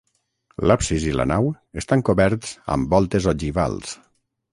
L'absis i la nau estan coberts amb voltes ogivals.